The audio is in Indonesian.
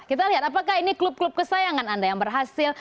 kita lihat apakah ini klub klub kesayangan anda yang berhasil